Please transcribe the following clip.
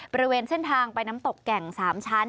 บริเวณเส้นทางไปน้ำตกแก่ง๓ชั้น